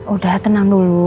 udah tenang dulu